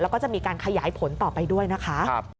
แล้วก็จะมีการขยายผลต่อไปด้วยนะคะ